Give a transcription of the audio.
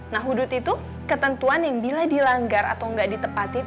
nah wudud itu ketentuan yang bila dilanggar atau nggak ditepatin